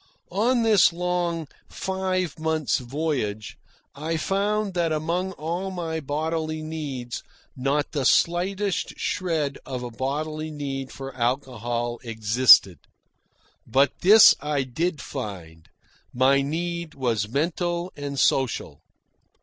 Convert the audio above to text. On this long, five months' voyage, I found that among all my bodily needs not the slightest shred of a bodily need for alcohol existed. But this I did find: my need was mental and social.